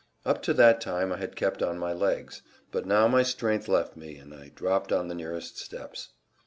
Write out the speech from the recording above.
Up to that time I had kept on my legs. But now my strength left me, and I dropped on the nearest steps.